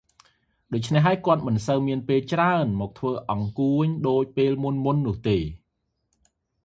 ដូច្នេះហើយ គាត់មិនសូវមានពេលច្រើនមកធ្វើអង្កួចដូចពេលមុនៗនោះទេ។